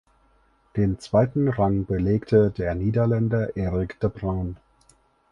Den zweiten Rang belegte der Niederländer Erik de Bruin.